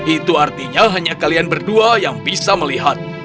itu artinya hanya kalian berdua yang bisa melihat